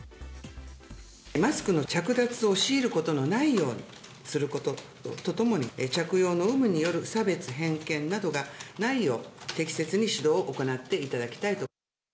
マスクの着脱を強いることのないようにすることとともに、着用の有無による差別、偏見などがないよう適切に指導を行っていただきたいと。